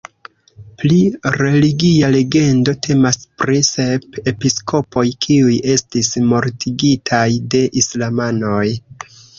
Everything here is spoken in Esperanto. Pli religia legendo temas pri sep episkopoj kiuj estis mortigitaj de islamanoj.